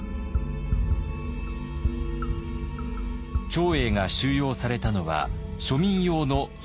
長英が収容されたのは庶民用の百姓牢。